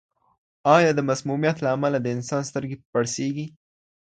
آیا د مسمومیت له امله د انسان سترګې پړسېږي؟